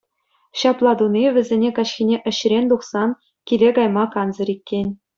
Ҫапла туни вӗсене каҫхине ӗҫрен тухсан киле кайма кансӗр иккен.